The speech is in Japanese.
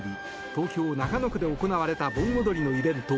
東京・中野区で行われた盆踊りのイベント